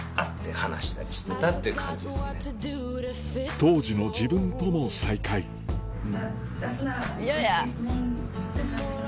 当時の自分とも再会嫌や。